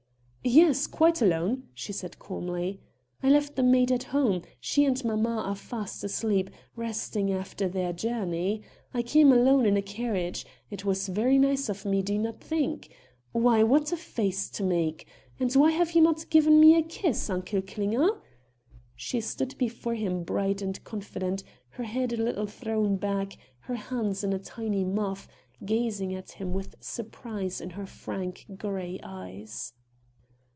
"Yes, quite alone," she said calmly. "I left the maid at home; she and mamma are fast asleep, resting after their journey. I came alone in a carriage it was very nice of me do not you think? Why, what a face to make!... And why have you not given me a kiss. Uncle Klinger?" She stood before him bright and confident, her head a little thrown back, her hands in a tiny muff, gazing at him with surprise in her frank grey eyes.